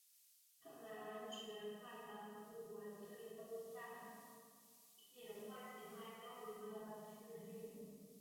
萨南学派南浦文之曾留下记述撇贯前来交流的诗句。